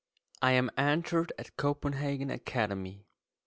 I AM ENTERED AT COPENHAGEN ACADEMY.